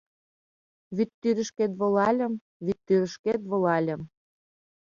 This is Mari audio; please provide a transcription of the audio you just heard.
Вӱдтӱрышкет волальым, вӱдтӱрышкет волальым